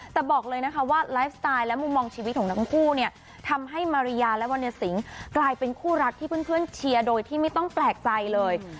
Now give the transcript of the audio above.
แต่บอกเลยนะคะว่าไลฟ์สไตล์และมุมมองชีวิตของทั้งคู่เนี่ยทำให้มาริยาและวรรณสิงกลายเป็นคู่รักที่เพื่อนเชียร์โดยที่ไม่ต้องแปลกใจเลย